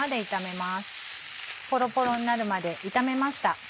ポロポロになるまで炒めました。